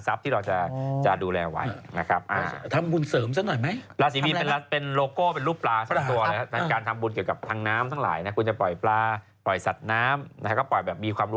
ตอนนี้ปัญหาคือปล่อยเต่าแล้วไปปล่อยไปตายเต็มไปหมด